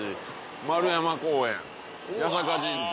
円山公園八坂神社。